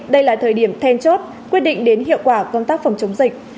đây là thời điểm then chốt quyết định đến hiệu quả công tác phòng chống dịch